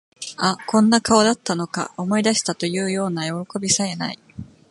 あ、こんな顔だったのか、思い出した、というようなよろこびさえ無い